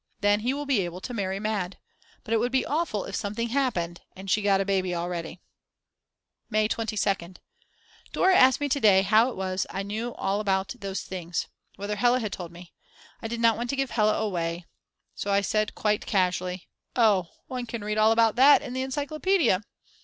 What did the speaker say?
Then he will be able to marry Mad. But it would be awful if something happened and she got a baby already. May 22nd. Dora asked me to day how it was I knew all about these things, whether Hella had told me. I did not want to give Hella away, so I said quite casually: "Oh, one can read all about that in the encyclopedia."